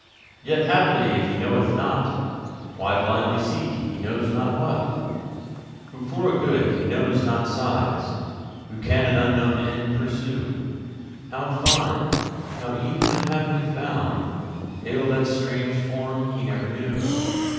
Yet, haply if he knoweth not, Why blindly seek he knows not what?[Q] Who for a good he knows not sighs? Who can an unknown end pursue? How find? How e'en when haply found Hail that strange form he never knew?